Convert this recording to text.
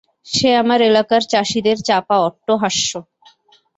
সে আমার এলাকার চাষিদের চাপা অট্টহাস্য।